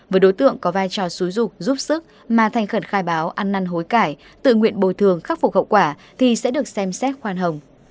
với đối tượng có vai trò xúi dục giúp sức mà thành khẩn khai báo ăn năn hối cải tự nguyện bồi thường khắc phục hậu quả thì sẽ được xem xét khoan hồng